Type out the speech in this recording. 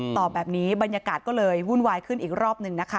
ตอบแบบนี้บรรยากาศก็เลยวุ่นวายขึ้นอีกรอบหนึ่งนะคะ